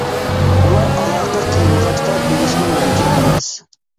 ئۇلار ئالاقە قىلمىغاچقا بىلىشىمۇ مۇمكىن ئەمەس.